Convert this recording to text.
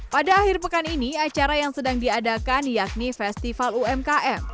pada akhir pekan ini acara yang sedang diadakan yakni festival umkm